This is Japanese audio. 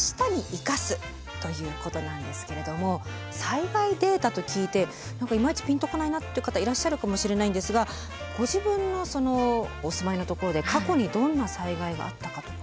災害データと聞いていまいちピンと来ないなって方いらっしゃるかもしれないんですがご自分のお住まいのところで過去にどんな災害があったかとか。